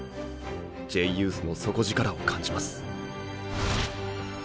Ｊユースの底力を感じます。